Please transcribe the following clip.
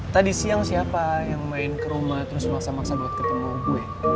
tadi siang siapa yang main ke rumah terus maksa maksa buat ketemu gue